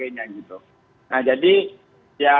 nah jadi ya